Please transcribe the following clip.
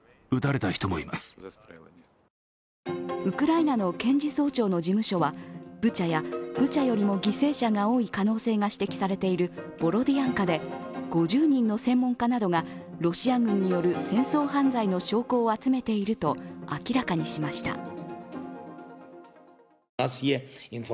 ウクライナの検事総長の事務所はブチャや、ブチャよりも犠牲者が多い可能性が指摘されているボロディアンカで５０人の専門家などがロシア軍による戦争犯罪の証拠を集めていると明らかにしました。